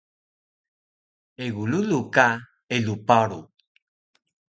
Egu rulu ka eluw paru